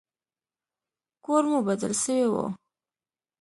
کور مو بدل سوى و.